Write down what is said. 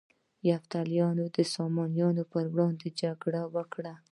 یفتلیانو د ساسانیانو پر وړاندې جګړه وکړه